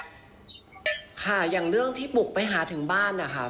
ค่ะอย่างเรื่องที่บุกไปหาถึงบ้านนะคะ